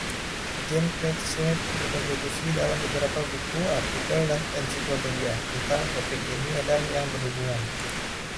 Jean-Claude Schmitt berkontribusi dalam beberapa buku, artikel, dan ensiklopedia tentang topik ini dan yang berhubungan.